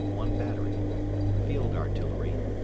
1 battery Field Artillery